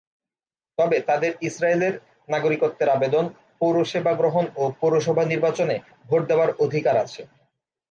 তবে তাদের ইসরায়েলের নাগরিকত্বের আবেদন, পৌর সেবা গ্রহণ ও পৌরসভা নির্বাচনে ভোট দেওয়ার অধিকার আছে।